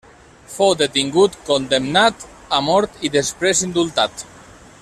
Fou detingut, condemnat a mort i després indultat.